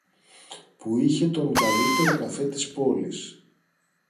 που είχε τον καλύτερο καφέ της πόλης